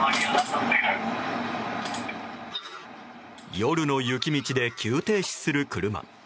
夜の雪道で急停止する車。